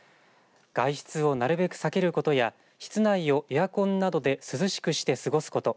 外出をなるべく避けることや室内をエアコンなどで涼しくして過ごすこと。